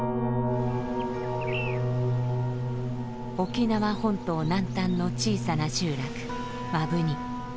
沖縄本島南端の小さな集落摩文仁。